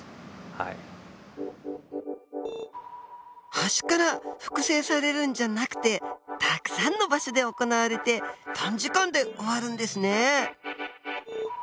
端から複製されるんじゃなくてたくさんの場所で行われて短時間で終わるんですね。